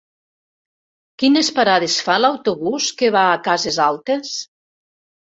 Quines parades fa l'autobús que va a Cases Altes?